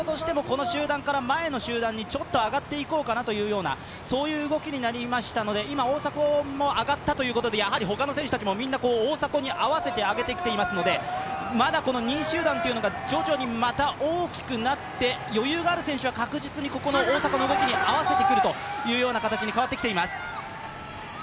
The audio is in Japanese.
前の集団にちょっと上がっていこうかなというような、そういう動きになりましたので、今大迫も上がったということで、やはり他の選手たちも大迫に合わせて上がってきていますのでまだこの２位集団というのが徐々にまた大きくなって、余裕がある選手は確実に大迫の動きに合わせてくるという形に変わってきています。